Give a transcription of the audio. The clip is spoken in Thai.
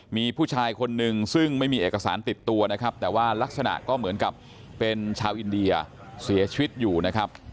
มีผู้ชายคนนึงซึ่งไม่มีเอกสารติดตัวนะครับแต่ว่ารักษณะก็เหมือนกับเป็นชาวอินเดียเสียชีวิตอยู่นะครับ